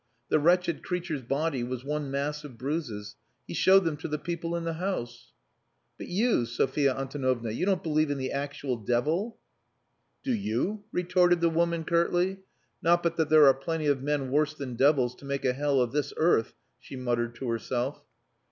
The wretched creature's body was one mass of bruises. He showed them to the people in the house." "But you, Sophia Antonovna, you don't believe in the actual devil?" "Do you?" retorted the woman curtly. "Not but that there are plenty of men worse than devils to make a hell of this earth," she muttered to herself.